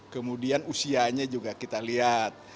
kemudian usianya juga kita lihat